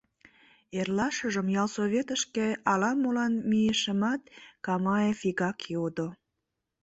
Эрлашыжым ялсоветышке ала-молан мийышымат, Камаев вигак йодо: